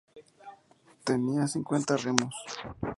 Tenía cincuenta remos.